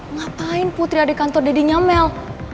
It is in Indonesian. ngapain putri ada di kantor dadinya mel